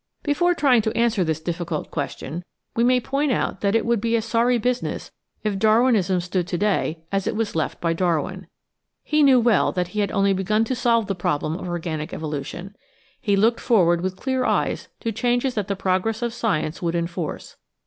Before trying to answer this difficult question, we may point out that it would be a sorry business if Darwinism stood to day as it was left by Darwin. He knew well that he had only begun to solve the problem of organic evolution; he looked forward with clear eyes to changes that the progress of science would enforce.